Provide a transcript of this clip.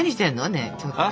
ねえちょっと。